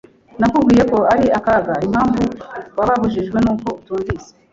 Nakubwiye ko ari akaga. Impamvu wababajwe nuko utumvise.